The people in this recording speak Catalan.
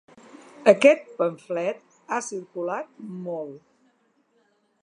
Aquest pamflet ha circulat molt.